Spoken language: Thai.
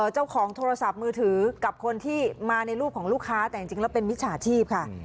เจ้าของโทรศัพท์มือถือกับคนที่มาในรูปของลูกค้าแต่จริงแล้วเป็นมิจฉาชีพค่ะ